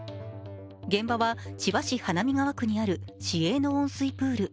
現場は、千葉市花見川区にある市営の温水プール。